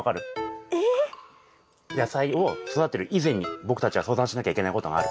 野菜を育てる以前に僕たちは相談しなきゃいけないことがある。